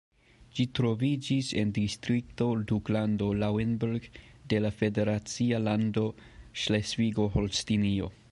Ĝi troviĝis en la distrikto Duklando Lauenburg de la federacia lando Ŝlesvigo-Holstinio.